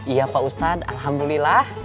iya pak ustaz alhamdulillah